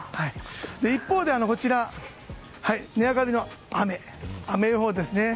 一方でこちら値上がりの雨予報です。